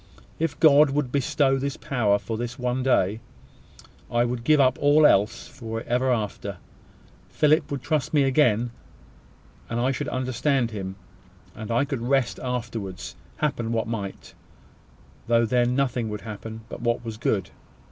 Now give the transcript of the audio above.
If God would bestow this power for this one day, I would give up all else for it for ever after. Philip would trust me again then, and I should understand him; and I could rest afterwards, happen what might though then nothing would happen but what was good.